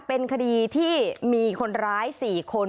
เป็นคดีที่มีคนร้าย๔คน